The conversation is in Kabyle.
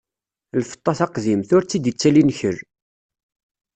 Lfeṭṭa taqdimt, ur tt-id-ittali nnkel.